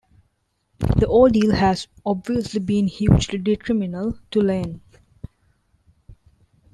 The ordeal has obviously been hugely detrimental to Lane.